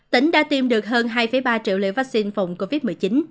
tỉnh đã tiêm được hơn hai ba triệu liều vaccine phòng covid một mươi chín